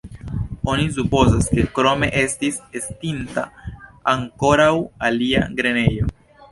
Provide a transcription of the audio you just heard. Oni supozas ke krome estis estinta ankoraŭ alia grenejo.